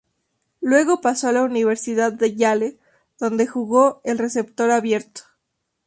Luego pasó a la Universidad de Yale, donde jugó el receptor abierto.